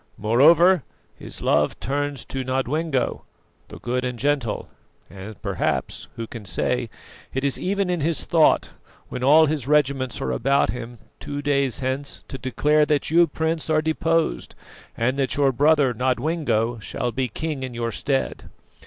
Moreover his love turns to Nodwengo, the good and gentle; and perhaps who can say? it is even in his thought, when all his regiments are about him two days hence, to declare that you, Prince, are deposed, and that your brother, Nodwengo, shall be king in your stead.